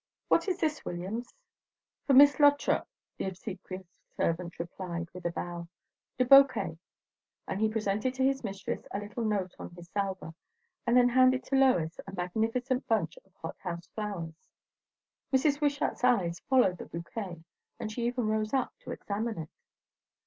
What is this, Williams?" "For Miss Lot'rop," the obsequious servant replied with a bow, "de bo quet." But he presented to his mistress a little note on his salver, and then handed to Lois a magnificent bunch of hothouse flowers. Mrs. Wishart's eyes followed the bouquet, and she even rose up to examine it.